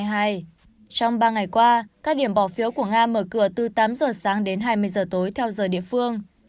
trong ba ngày qua các điểm bỏ phiếu của nga mở cửa từ tám giờ sáng đến hai mươi giờ tối theo giờ địa phương